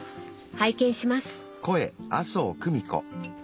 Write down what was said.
拝見します！